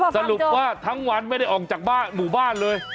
สรุปว่าทั้งวันไม่ได้ออกจากบ้านหมู่บ้านเลย